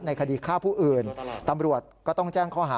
คดีฆ่าผู้อื่นตำรวจก็ต้องแจ้งข้อหา